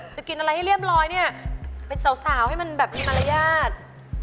กินอะไรให้เรียบร้อยเนี่ยเป็นสาวให้มันแบบมีมารยาท